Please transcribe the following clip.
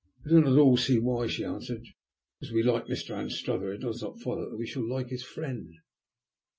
"I do not at all see why," she answered. "Because we like Mr. Anstruther it does not follow that we shall like his friend."